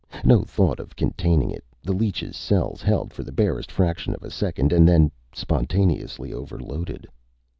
No thought of containing it. The leech's cells held for the barest fraction of a second, and then spontaneously overloaded.